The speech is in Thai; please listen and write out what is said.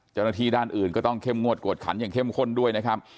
เจ้าหน้าที่ด้านอื่นก็ต้องเข้มงวดกวดขันอย่างเข้มข้นด้วยนะครับ